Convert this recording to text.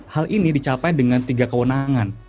hal ini dicapai dengan tiga kewenangan